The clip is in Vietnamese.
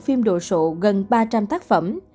phim đồ sộ gần ba trăm linh tác phẩm